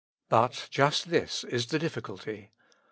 But just this is the difficulty.